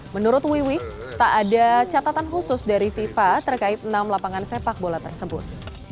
menurut wiwi tak ada catatan khusus dari fifa terkait enam lapangan sepak bola tersebut